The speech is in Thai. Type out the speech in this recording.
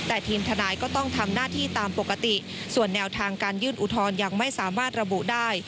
แต่ทีมทนายก็ต้องทำหน้าที่ตามปกติส่วนแนวทางการยื่นอุทธรณ์ยังไม่สามารถระบุได้